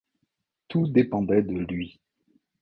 Tout dépendait de lui.